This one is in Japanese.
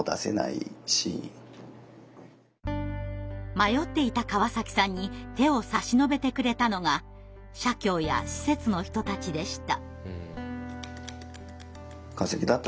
迷っていた川崎さんに手を差し伸べてくれたのが社協や施設の人たちでした。